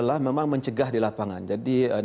maksud saya merupakan ntw pinggir assertor